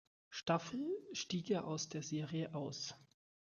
Staffel stieg er aus der Serie aus.